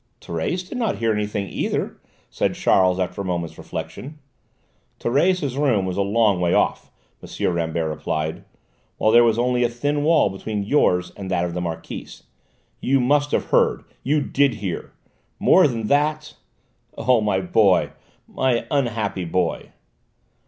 "Thérèse did not hear anything either," said Charles after a moment's reflection. "Thérèse's room was a long way off," M. Rambert replied, "while there was only a thin wall between yours and that of the Marquise. You must have heard: you did hear! More than that , oh, my boy, my unhappy boy!"